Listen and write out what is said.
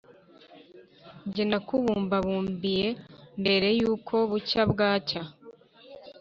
njye, nakubumbabumbiye mbere yuko bucya bwacya